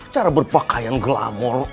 cara berpakaian glamor